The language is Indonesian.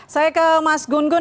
saya ke mas gunggun